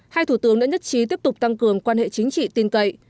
hai thủ tướng đã nhất trí tiếp tục tăng cường quan hệ chính trị tin cậy